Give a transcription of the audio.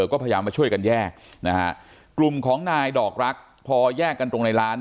ก็พยายามมาช่วยกันแยกกลุ่มของนายดอกรักพอแยกกันตรงในร้าน